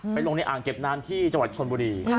ลงในอ่างเก็บน้ำที่จังหวัดชนบุรี